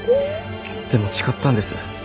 でも誓ったんです。